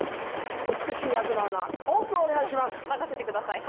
美しい東アナオープンお願いします任せてください